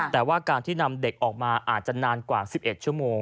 แต่ว่าการที่นำเด็กออกมาอาจจะนานกว่า๑๑ชั่วโมง